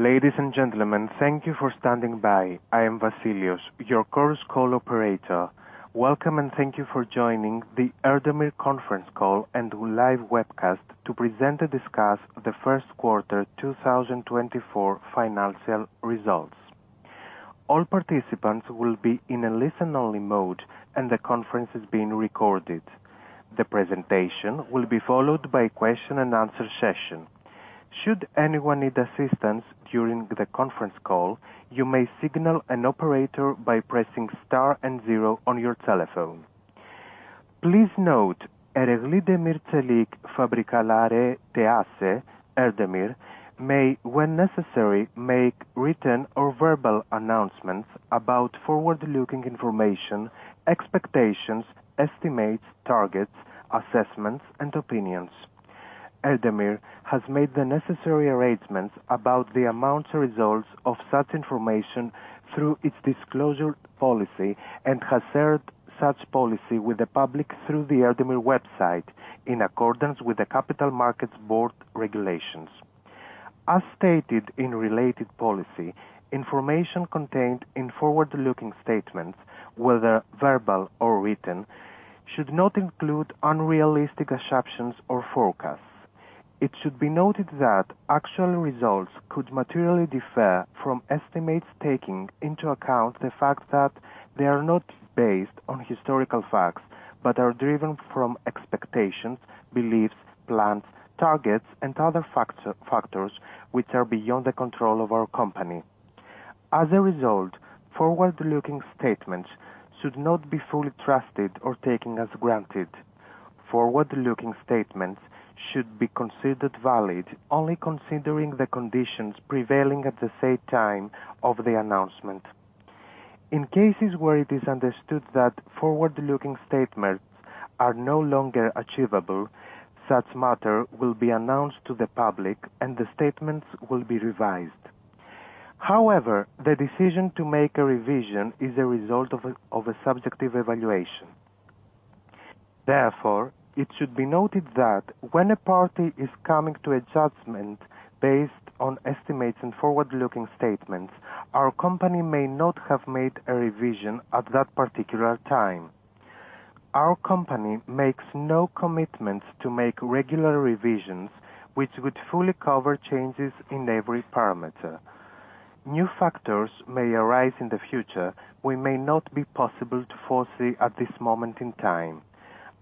Ladies and gentlemen, thank you for standing by. I am Vasilios, your conference call operator. Welcome and thank you for joining the Erdemir conference call and live webcast to present and discuss the first quarter 2024 financial results. All participants will be in a listen-only mode and the conference is being recorded. The presentation will be followed by a question-and-answer session. Should anyone need assistance during the conference call, you may signal an operator by pressing star and zero on your telephone. Please note Ereğli Demir ve Çelik Fabrikaları T.A.Ş., Erdemir, may, when necessary, make written or verbal announcements about forward-looking information, expectations, estimates, targets, assessments, and opinions. Erdemir has made the necessary arrangements about the amount results of such information through its disclosure policy and has shared such policy with the public through the Erdemir website in accordance with the Capital Markets Board regulations. As stated in related policy, information contained in forward-looking statements, whether verbal or written, should not include unrealistic assumptions or forecasts. It should be noted that actual results could materially differ from estimates taking into account the fact that they are not based on historical facts but are driven from expectations, beliefs, plans, targets, and other factors which are beyond the control of our company. As a result, forward-looking statements should not be fully trusted or taken as granted. Forward-looking statements should be considered valid only considering the conditions prevailing at the same time of the announcement. In cases where it is understood that forward-looking statements are no longer achievable, such matter will be announced to the public and the statements will be revised. However, the decision to make a revision is a result of a subjective evaluation. Therefore, it should be noted that when a party is coming to a judgment based on estimates and forward-looking statements, our company may not have made a revision at that particular time. Our company makes no commitments to make regular revisions which would fully cover changes in every parameter. New factors may arise in the future we may not be possible to foresee at this moment in time.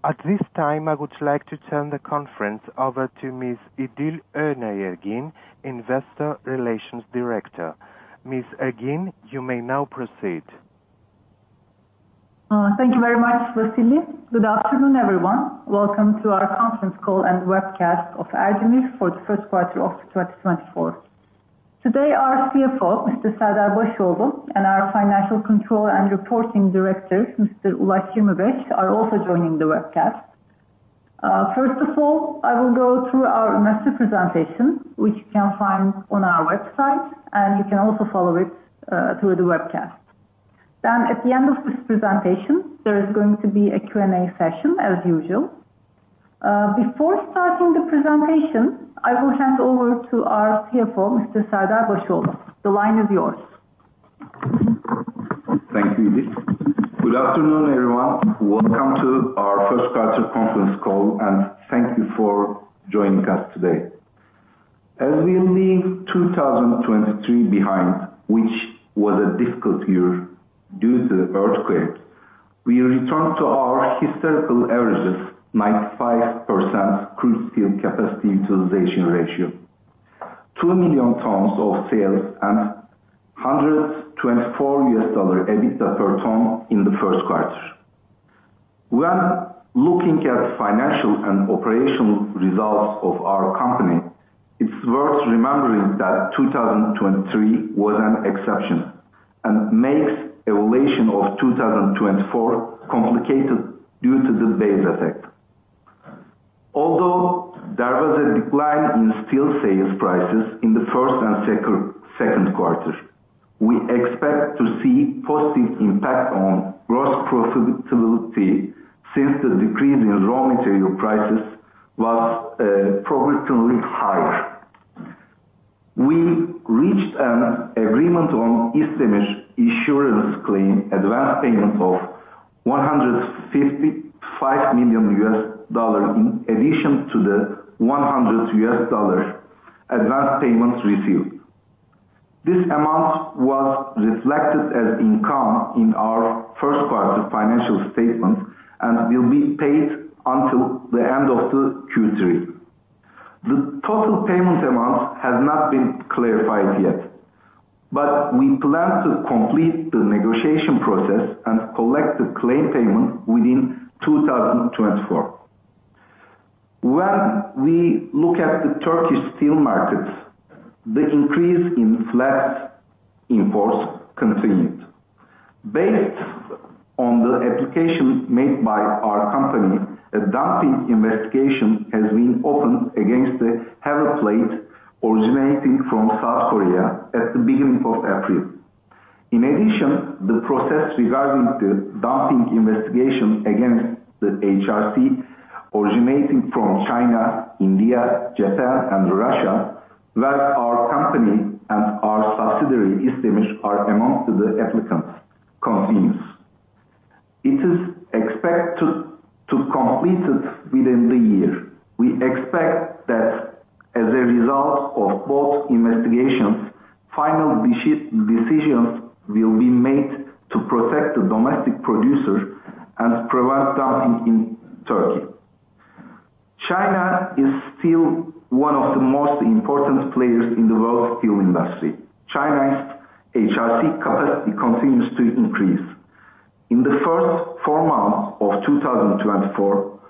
At this time, I would like to turn the conference over to Ms. İdil Önay Ergin, Investor Relations Director. Ms. Ergin, you may now proceed. Thank you very much, Vasilios. Good afternoon, everyone. Welcome to our conference call and webcast of Erdemir for the first quarter of 2024. Today, our CFO, Mr. Serdar Başoğlu, and our Financial Control and Reporting Director, Mr. Ulaş Yirmibeş, are also joining the webcast. First of all, I will go through our master presentation, which you can find on our website, and you can also follow it through the webcast. Then, at the end of this presentation, there is going to be a Q&A session, as usual. Before starting the presentation, I will hand over to our CFO, Mr. Serdar Başoğlu. The line is yours. Thank you, İdil. Good afternoon, everyone. Welcome to our first quarter conference call, and thank you for joining us today. As we leave 2023 behind, which was a difficult year due to the earthquakes, we return to our historical averages, 95% crude steel capacity utilization ratio, 2 million tons of sales, and $124 EBITDA per ton in the first quarter. When looking at financial and operational results of our company, it's worth remembering that 2023 was an exception and makes evaluation of 2024 complicated due to the base effect. Although there was a decline in steel sales prices in the first and second quarter, we expect to see positive impact on gross profitability since the decrease in raw material prices was progressively higher. We reached an agreement on İsdemir insurance claim advance payment of $155 million in addition to the $100 advance payment received. This amount was reflected as income in our first quarter financial statements and will be paid until the end of Q3. The total payment amount has not been clarified yet, but we plan to complete the negotiation process and collect the claim payment within 2024. When we look at the Turkish steel markets, the increase in flat imports continued. Based on the application made by our company, a dumping investigation has been opened against the heavy plate originating from South Korea at the beginning of April. In addition, the process regarding the dumping investigation against the HRC originating from China, India, Japan, and Russia, where our company and our subsidiary İsdemir are amongst the applicants, continues. It is expected to complete within the year. We expect that as a result of both investigations, final decisions will be made to protect the domestic producer and prevent dumping in Turkey. China is still one of the most important players in the world steel industry. China's HRC capacity continues to increase. In the first four months of 2024,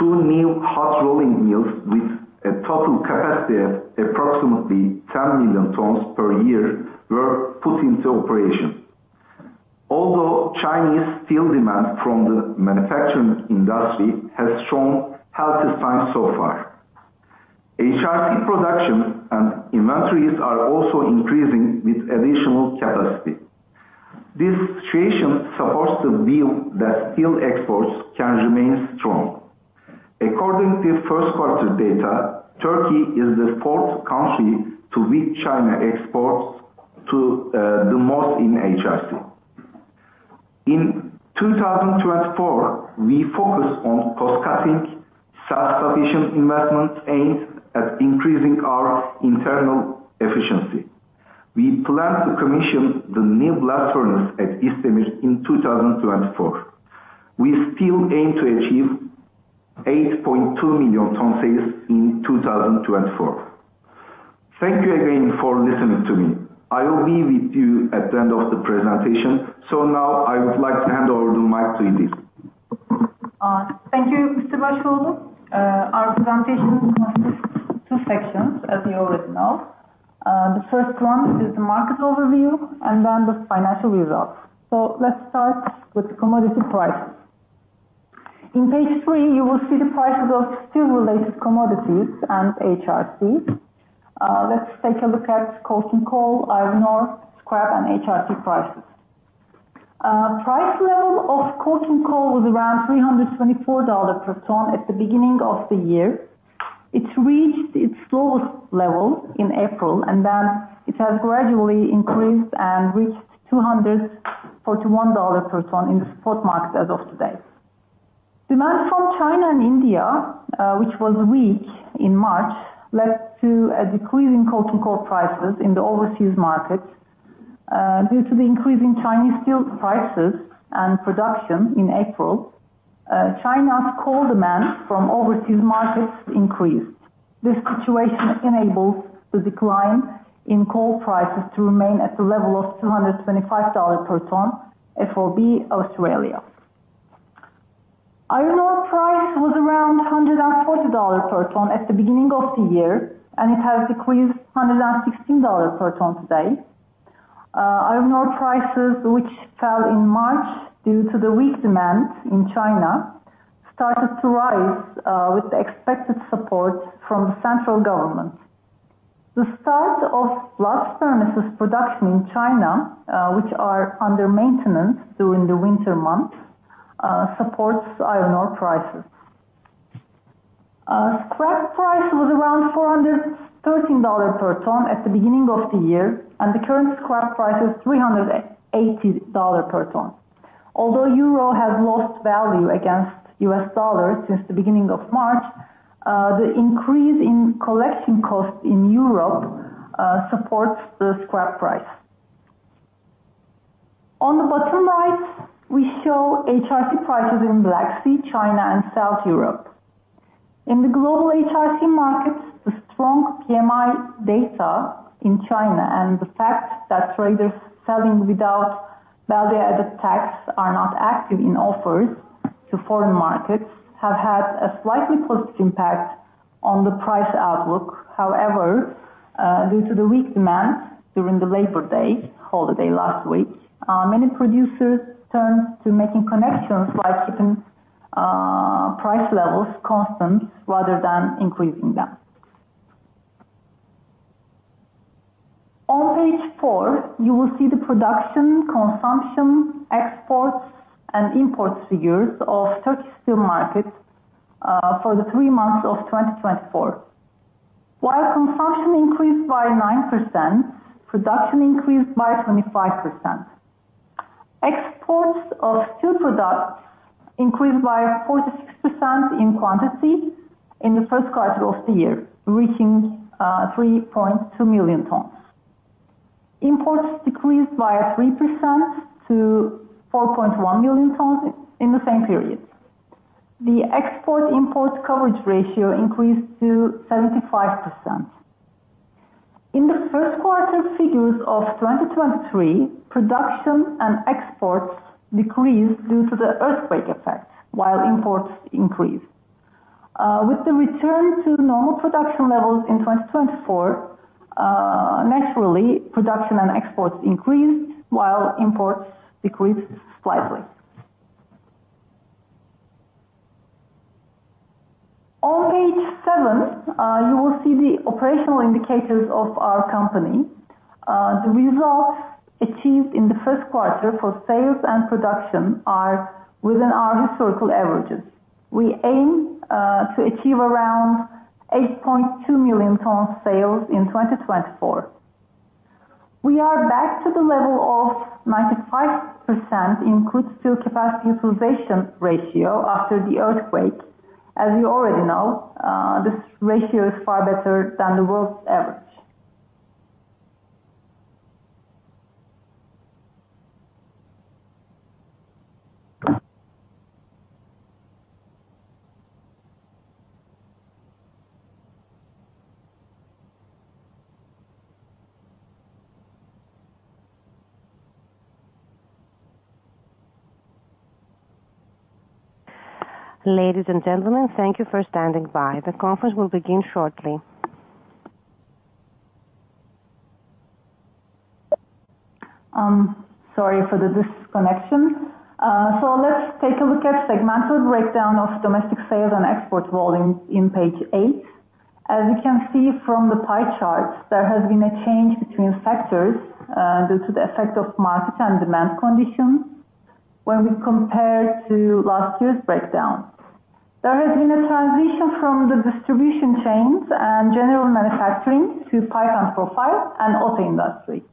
two new hot rolling mills with a total capacity of approximately 10 million tons per year were put into operation. Although Chinese steel demand from the manufacturing industry has shown halted signs so far, HRC production and inventories are also increasing with additional capacity. This situation supports the view that steel exports can remain strong. According to first quarter data, Turkey is the fourth country to which China exports the most in HRC. In 2024, we focus on cost-cutting, self-sufficient investments aimed at increasing our internal efficiency. We plan to commission the new blast furnace at İsdemir in 2024. We still aim to achieve 8.2 million tons sales in 2024. Thank you again for listening to me. I will be with you at the end of the presentation. So now I would like to hand over the mic to İdil. Thank you, Mr. Başoğlu. Our presentation consists of two sections, as you already know. The first one is the market overview and then the financial results. So let's start with the commodity prices. In page three, you will see the prices of steel-related commodities and HRC. Let's take a look at coking coal, iron ore, scrap, and HRC prices. Price level of coking coal was around $324 per ton at the beginning of the year. It reached its lowest level in April, and then it has gradually increased and reached $241 per ton in the spot market as of today. Demand from China and India, which was weak in March, led to a decrease in coking coal prices in the overseas markets. Due to the increasing Chinese steel prices and production in April, China's coal demand from overseas markets increased. This situation enables the decline in coal prices to remain at the level of $225 per ton for Australia. Iron ore price was around $140 per ton at the beginning of the year, and it has decreased to $116 per ton today. Iron ore prices, which fell in March due to the weak demand in China, started to rise with the expected support from the central government. The start of blast furnaces production in China, which are under maintenance during the winter months, supports iron ore prices. Scrap price was around $413 per ton at the beginning of the year, and the current scrap price is $380 per ton. Although euro has lost value against U.S. dollars since the beginning of March, the increase in collection costs in Europe supports the scrap price. On the bottom right, we show HRC prices in Black Sea, China, and South Europe. In the global HRC markets, the strong PMI data in China and the fact that traders selling without value-added tax are not active in offers to foreign markets have had a slightly positive impact on the price outlook. However, due to the weak demand during the Labor Day holiday last week, many producers turned to making connections by keeping price levels constant rather than increasing them. On page four, you will see the production, consumption, exports, and import figures of Turkish steel markets for the three months of 2024. While consumption increased by 9%, production increased by 25%. Exports of steel products increased by 46% in quantity in the first quarter of the year, reaching 3.2 million tons. Imports decreased by 3% to 4.1 million tons in the same period. The export-import coverage ratio increased to 75%. In the first quarter figures of 2023, production and exports decreased due to the earthquake effect, while imports increased. With the return to normal production levels in 2024, naturally, production and exports increased, while imports decreased slightly. On page seven, you will see the operational indicators of our company. The results achieved in the first quarter for sales and production are within our historical averages. We aim to achieve around 8.2 million tons sales in 2024. We are back to the level of 95% in crude steel capacity utilization ratio after the earthquake. As you already know, this ratio is far better than the world's average. Ladies and gentlemen, thank you for standing by. The conference will begin shortly. Sorry for the disconnection. Let's take a look at the segmental breakdown of domestic sales and export volume in page eight. As you can see from the pie charts, there has been a change between sectors due to the effect of market and demand conditions when we compare to last year's breakdown. There has been a transition from the distribution chains and general manufacturing to pipeline profile and auto industry.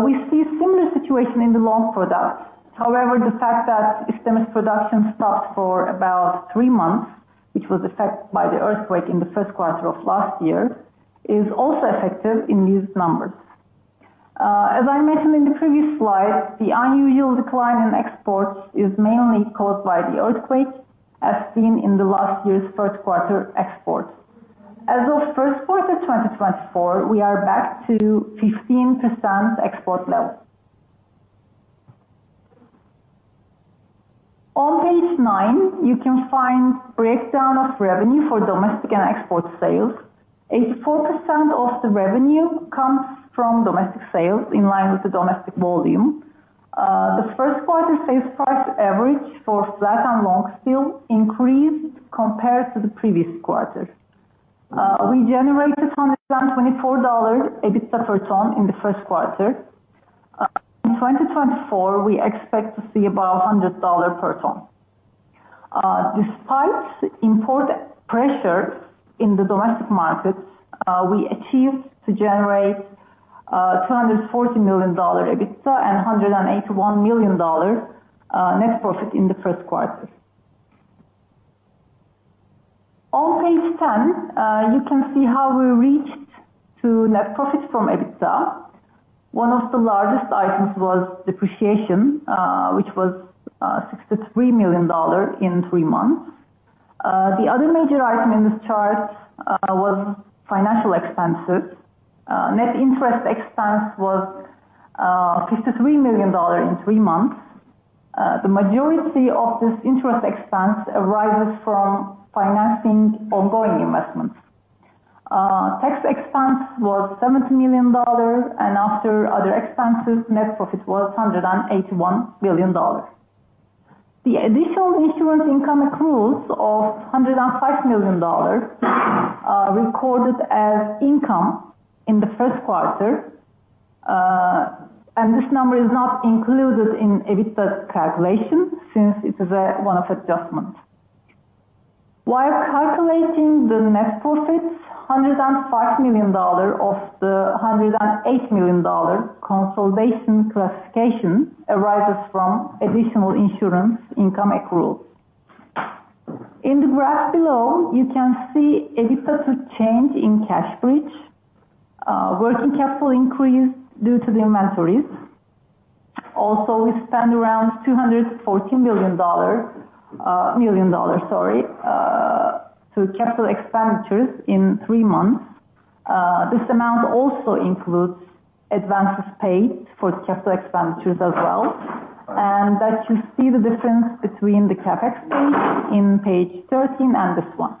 We see a similar situation in the long products. However, the fact that İsdemir production stopped for about three months, which was affected by the earthquake in the first quarter of last year, is also effective in these numbers. As I mentioned in the previous slide, the unusual decline in exports is mainly caused by the earthquake, as seen in the last year's first quarter exports. As of first quarter 2024, we are back to 15% export level. On page nine, you can find the breakdown of revenue for domestic and export sales. 84% of the revenue comes from domestic sales in line with the domestic volume. The first quarter sales price average for flat and long steel increased compared to the previous quarter. We generated $124 EBITDA per ton in the first quarter. In 2024, we expect to see about $100 per ton. Despite import pressure in the domestic markets, we achieved to generate $240 million EBITDA and $181 million net profit in the first quarter. On page 10, you can see how we reached net profit from EBITDA. One of the largest items was depreciation, which was $63 million in three months. The other major item in this chart was financial expenses. Net interest expense was $53 million in three months. The majority of this interest expense arises from financing ongoing investments. Tax expense was $70 million, and after other expenses, net profit was $181 million. The additional insurance income accruals of $105 million recorded as income in the first quarter, and this number is not included in EBITDA calculation since it is one of adjustments. While calculating the net profit, $105 million of the $108 million consolidation classification arises from additional insurance income accruals. In the graph below, you can see EBITDA to change in cash bridge. Working capital increased due to the inventories. Also, we spend around $214 million sorry, to capital expenditures in three months. This amount also includes advances paid for capital expenditures as well. And that you see the difference between the CapEx page in page 13 and this one.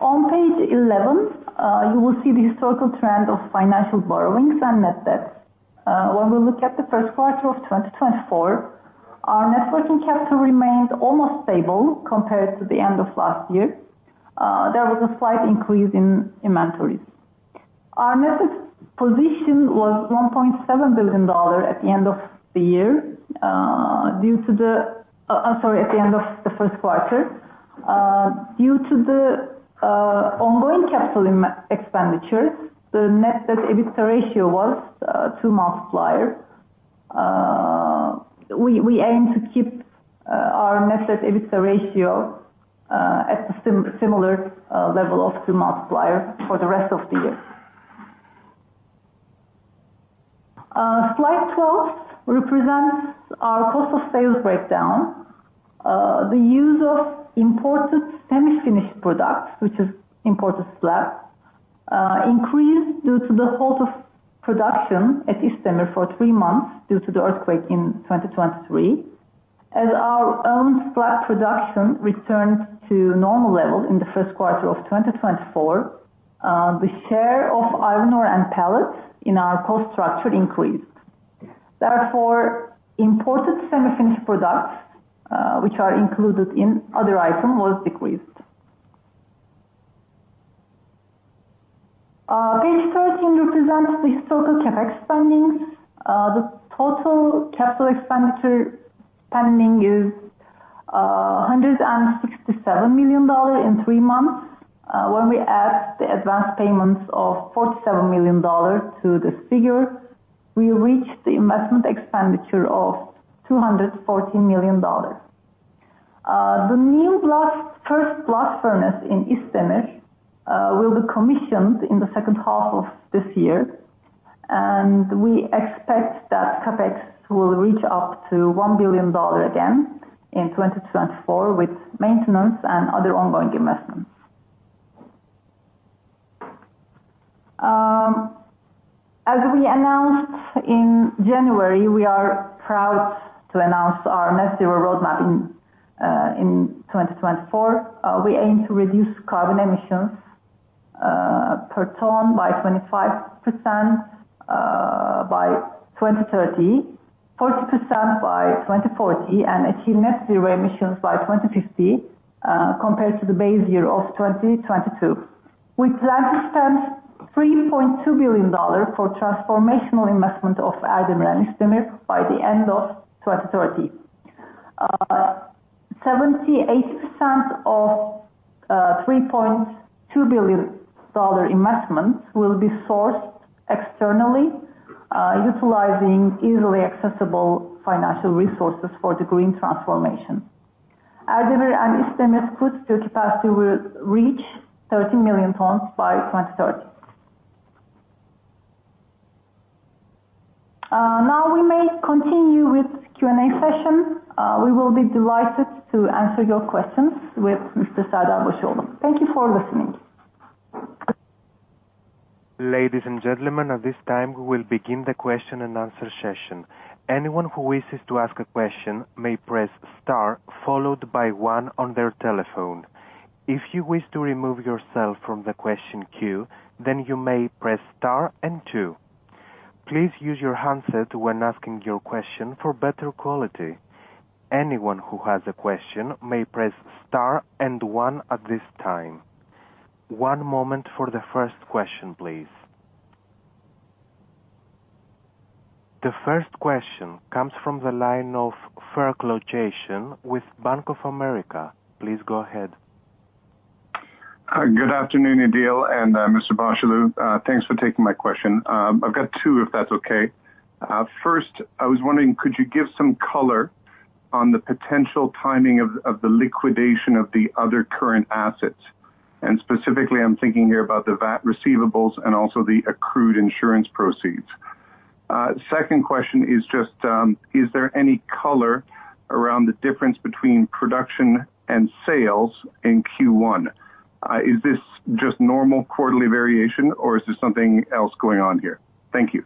On page 11, you will see the historical trend of financial borrowings and net debt. When we look at the first quarter of 2024, our net working capital remained almost stable compared to the end of last year. There was a slight increase in inventories. Our net position was $1.7 billion at the end of the year due to the sorry, at the end of the first quarter. Due to the ongoing capital expenditure, the net debt EBITDA ratio was 2x. We aim to keep our net debt EBITDA ratio at the similar level of 2x for the rest of the year. Slide 12 represents our cost of sales breakdown. The use of imported semi-finished products, which is imported slab, increased due to the halt of production at İsdemir for 3 months due to the earthquake in 2023. As our own slab production returned to normal level in the first quarter of 2024, the share of iron ore and pellets in our cost structure increased. Therefore, imported semi-finished products, which are included in other items, decreased. Page 13 represents the historical CapEx spending. The total capital expenditure spending is $167 million in three months. When we add the advance payments of $47 million to this figure, we reach the investment expenditure of $214 million. The new first blast furnace in İsdemir will be commissioned in the second half of this year. We expect that CapEx will reach up to $1 billion again in 2024 with maintenance and other ongoing investments. As we announced in January, we are proud to announce our net zero roadmap in 2024. We aim to reduce carbon emissions per ton by 25% by 2030, 40% by 2040, and achieve net zero emissions by 2050 compared to the base year of 2022. We plan to spend $3.2 billion for transformational investment of Erdemir and İsdemir by the end of 2030. 78% of $3.2 billion investment will be sourced externally utilizing easily accessible financial resources for the green transformation. Erdemir and İsdemir crude steel capacity will reach 30 million tons by 2030. Now, we may continue with the Q&A session. We will be delighted to answer your questions with Mr. Serdar Başoğlu. Thank you for listening. Ladies and gentlemen, at this time, we will begin the question and answer session. Anyone who wishes to ask a question may press star followed by one on their telephone. If you wish to remove yourself from the question queue, then you may press star and two. Please use your handset when asking your question for better quality. Anyone who has a question may press star and one at this time. One moment for the first question, please. The first question comes from the line of Jason Fairclough with Bank of America. Please go ahead. Good afternoon, İdil, and Mr. Başoğlu. Thanks for taking my question. I've got two, if that's okay. First, I was wondering, could you give some color on the potential timing of the liquidation of the other current assets? And specifically, I'm thinking here about the VAT receivables and also the accrued insurance proceeds. Second question is just, is there any color around the difference between production and sales in Q1? Is this just normal quarterly variation, or is there something else going on here? Thank you.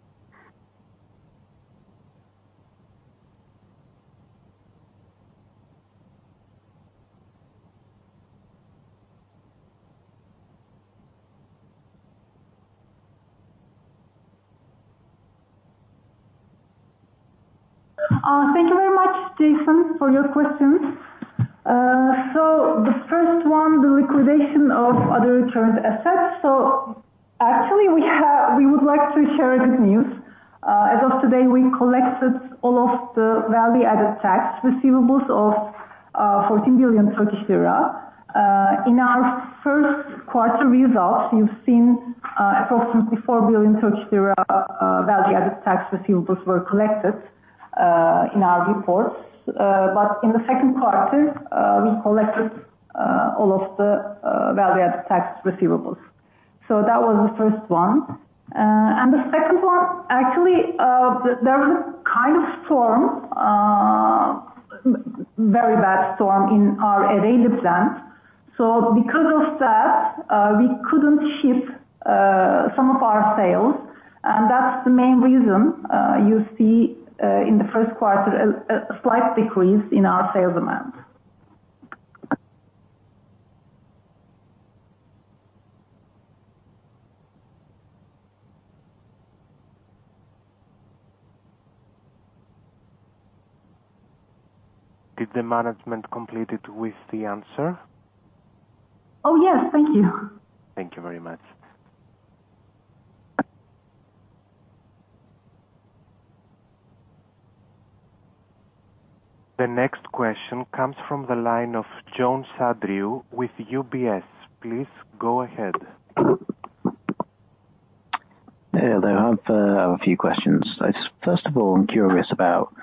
Thank you very much, Jason, for your questions. So the first one, the liquidation of other current assets. So actually, we would like to share good news. As of today, we collected all of the Value-Added Tax receivables of 14 billion Turkish lira. In our first quarter results, you've seen approximately 4 billion Turkish lira Value-Added Tax receivables were collected in our reports. But in the second quarter, we collected all of the Value-Added Tax receivables. So that was the first one. And the second one, actually, there was a kind of storm, a very bad storm, in our Ereğli plants. So because of that, we couldn't ship some of our sales. And that's the main reason you see in the first quarter a slight decrease in our sales amounts. Did the management complete it with the answer? Oh, yes. Thank you. Thank you very much. The next question comes from the line of Andrew Jones with UBS. Please go ahead. Yeah. I have a few questions. First of all, I'm curious about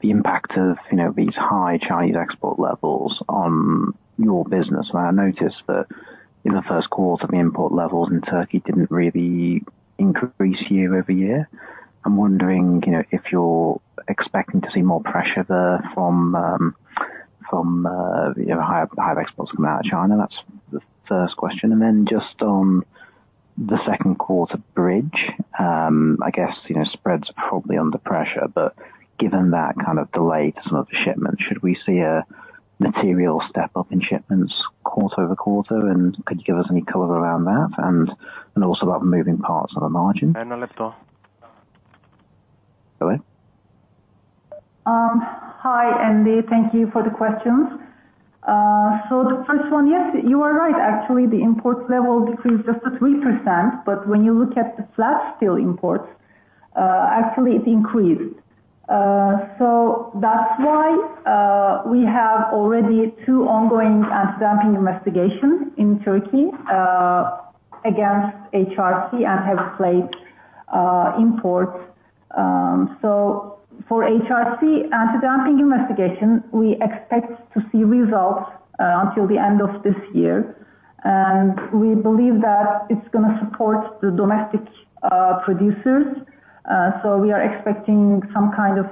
the impact of these high Chinese export levels on your business. And I noticed that in the first quarter, the import levels in Turkey didn't really increase year-over-year. I'm wondering if you're expecting to see more pressure there from higher exports coming out of China. That's the first question. And then just on the second quarter bridge, I guess spreads are probably under pressure. But given that kind of delay to some of the shipments, should we see a material step up in shipments quarter-over-quarter? And could you give us any color around that and also about moving parts of the margin? A little bit. Sorry? Hi, İdil. Thank you for the questions. So the first one, yes, you are right. Actually, the imports level decreased just 3%. But when you look at the flat steel imports, actually, it increased. So that's why we have already two ongoing anti-dumping investigations in Turkey against HRC and heavy plate imports. So for HRC anti-dumping investigation, we expect to see results until the end of this year. And we believe that it's going to support the domestic producers. So we are expecting some kind of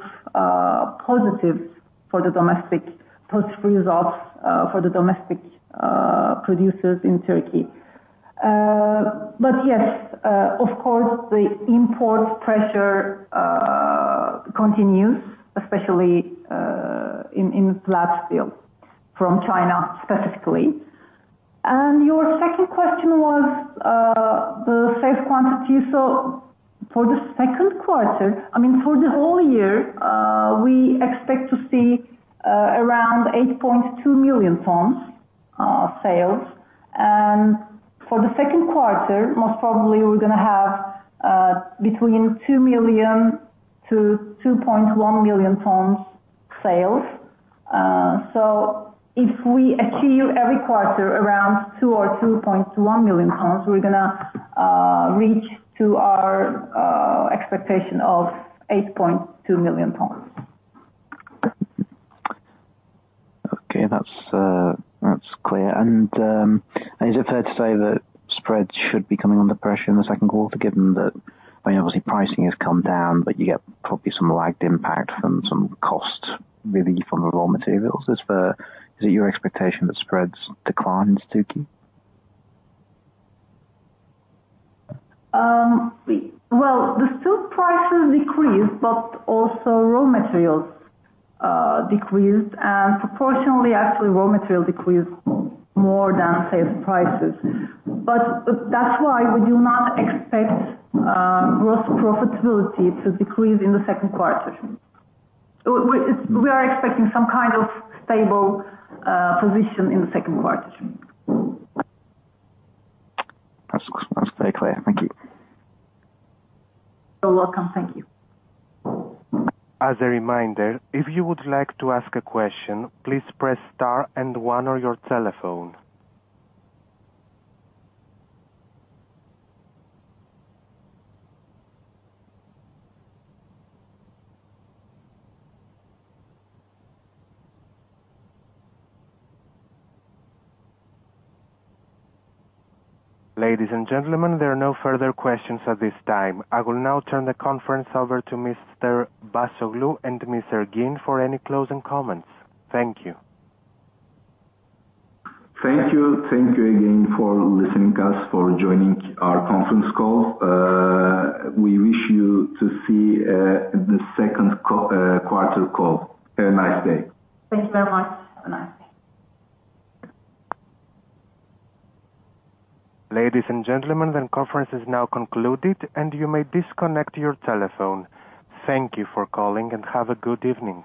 positives for the domestic results for the domestic producers in Turkey. But yes, of course, the import pressure continues, especially in flat steel from China specifically. And your second question was the sales quantity. So for the second quarter I mean, for the whole year, we expect to see around 8.2 million tons sales. And for the second quarter, most probably, we're going to have between 2 million-2.1 million tons sales. So if we achieve every quarter around 2 or 2.1 million tons, we're going to reach our expectation of 8.2 million tons. Okay. That's clear. And is it fair to say that spreads should be coming under pressure in the second quarter given that I mean, obviously, pricing has come down, but you get probably some lagged impact from some cost relief on the raw materials? Is it your expectation that spreads decline in Türkiye? Well, the steel prices decreased, but also raw materials decreased. Proportionally, actually, raw materials decreased more than sales prices. That's why we do not expect gross profitability to decrease in the second quarter. We are expecting some kind of stable position in the second quarter. That's very clear. Thank you. You're welcome. Thank you. As a reminder, if you would like to ask a question, please press star and one on your telephone. Ladies and gentlemen, there are no further questions at this time. I will now turn the conference over to Mr. Başoğlu and Ms. Ergin for any closing comments. Thank you. Thank you. Thank you again for listening to us, for joining our conference call. We wish you to see the second quarter call. Have a nice day. Thank you very much. Have a nice day. Ladies and gentlemen, the conference is now concluded, and you may disconnect your telephone. Thank you for calling, and have a good evening.